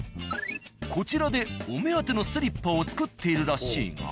こちらでお目当てのスリッパを作っているらしいが。